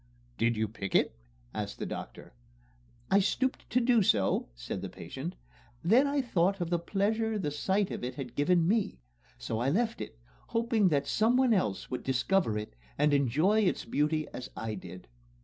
"Did you pick it?" asked the doctor. "I stooped to do so," said the patient; "then I thought of the pleasure the sight of it had given me so I left it, hoping that someone else would discover it and enjoy its beauty as I did."